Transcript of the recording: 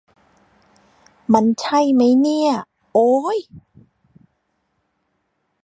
มันใช่มั๊ยเนี่ย โอ้ย